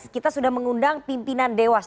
kita sudah mengundang pimpinan dewas